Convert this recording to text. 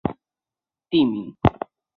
佃是东京都中央区的地名。